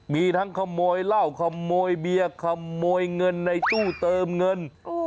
มีทั้งขโมยเหล้าขโมยเบียร์ขโมยเงินในตู้เติมเงิน